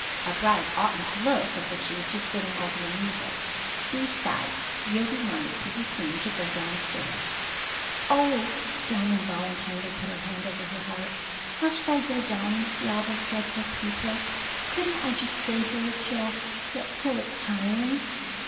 A bride oughtn't to look as if she was just getting over the measles. Besides, you'll be wanted pretty soon to go downstairs——" "Oh!" Dawn involuntarily put her hand over her heart. "Must I go down and see all those dreadful people? Couldn't I just stay here till—till—till it's time?"